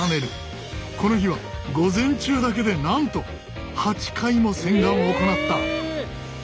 この日は午前中だけでなんと８回も洗顔を行った。